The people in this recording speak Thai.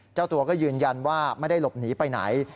เจ้าตัวก็ยืนยันว่าไม่ได้หลบหนีไปไหน